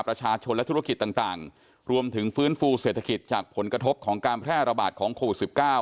ประชาชนและธุรกิจต่างรวมถึงฟื้นฟูเศรษฐกิจจากผลกระทบของการแพร่ระบาดของโควิด๑๙